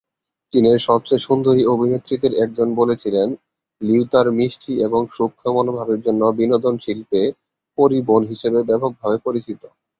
চীনের সবচেয়ে সুন্দরী অভিনেত্রীদের একজন বলেছিলেন, লিউ তার মিষ্টি এবং সূক্ষ্ম মনোভাবের জন্য বিনোদন শিল্পে "পরী বোন" হিসেবে ব্যাপকভাবে পরিচিত।